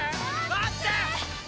待ってー！